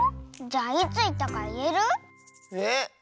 じゃあいついったかいえる？え？